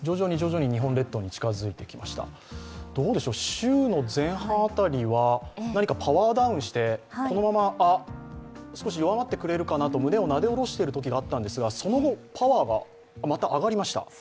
週の前半辺りは、パワーダウンしてこのまま少し弱まってくれるかなと胸をなで下ろしているときがあったんですがその後、パワーがまた上がりました